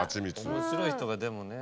面白い人がでもね